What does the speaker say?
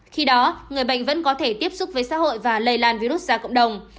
khi đó người bệnh vẫn có thể tiếp xúc với xã hội và lây lan virus ra cộng đồng